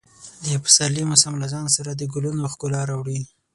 د پسرلي موسم له ځان سره د ګلونو ښکلا راوړي.